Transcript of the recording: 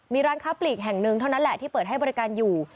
มีร้านค้าปลีกแห่งหนึ่งเท่านั้นแหละที่เปิดให้บริการอยู่